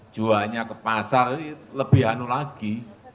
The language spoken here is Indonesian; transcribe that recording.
juanya ke pasar lebih anu lagi